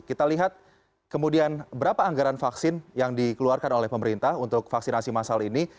kita lihat kemudian berapa anggaran vaksin yang dikeluarkan oleh pemerintah untuk vaksinasi masal ini